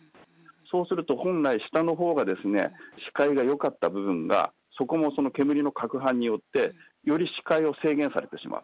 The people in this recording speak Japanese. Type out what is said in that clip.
そうすると、本来下のほうが視界がよかった部分が、そこも煙のかくはんによって、より視界を制限されてしまう。